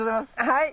はい。